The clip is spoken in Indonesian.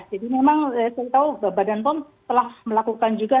jadi memang saya tahu bapak dan pomp telah melakukan juga